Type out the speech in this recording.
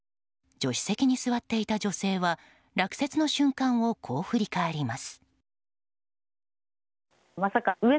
助手席に座っていた女性は落雪の瞬間をこう振り返ります。